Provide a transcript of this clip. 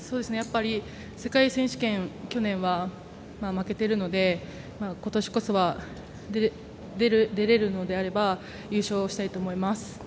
世界選手権去年は負けているので今年こそは出られるのであれば優勝したいと思います。